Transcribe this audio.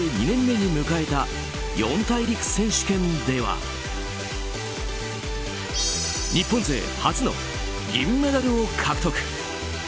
２年目に迎えた四大陸選手権では日本勢初の銀メダルを獲得。